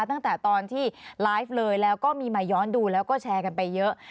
ตั้งแต่ตอนที่ไลฟ์เลยแล้วก็มีมาย้อนดูแล้วก็แชร์กันไปเยอะ